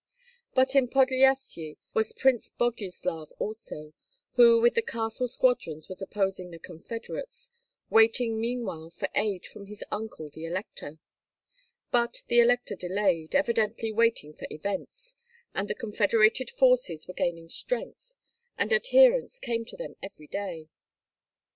But in Podlyasye was Prince Boguslav also, who with the castle squadrons was opposing the confederates, waiting meanwhile for aid from his uncle the elector; but the elector delayed, evidently waiting for events; and the confederated forces were gaining strength, and adherents came to them every day.